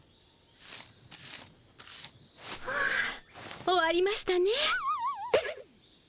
はあ終わりましたね。